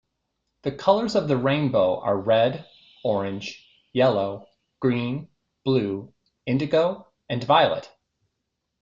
The colours of the rainbow are red, orange, yellow, green, blue, indigo, and violet.